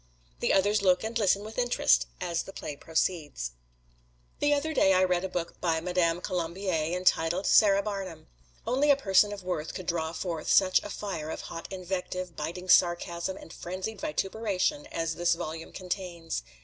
The others look and listen with interest as the play proceeds. The other day I read a book by Madame Columbier entitled, "Sara Barnum." Only a person of worth could draw forth such a fire of hot invective, biting sarcasm and frenzied vituperation as this volume contains.